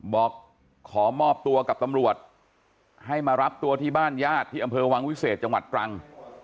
บอกขอมอบตัวกับตำรวจให้มารับตัวที่บ้านญาติที่อำเภอวังวิเศษจังหวัดตรัง